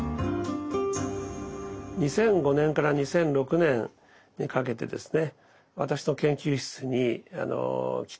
２００５年から２００６年にかけてですね